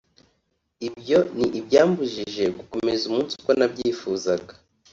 ibyo ni ibyambujije gukomeza umunsi uko nabyifuzaga